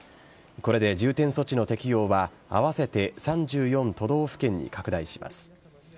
これで重点措置の適用は合わせて３４都道府県に拡大します。